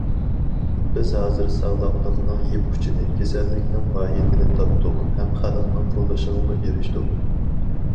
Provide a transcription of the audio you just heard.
بىز ھازىر ساغلاملىقنىڭ يىپ ئۇچىنى، كېسەللىكنىڭ ماھىيىتىنى تاپتۇق ھەم خەلقنىڭ قوللىشىغىمۇ ئېرىشتۇق.